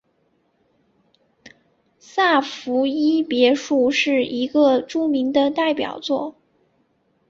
萨伏伊别墅是一个著名的代表作。